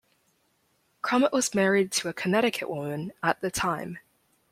Crumit was married to a Connecticut woman at the time.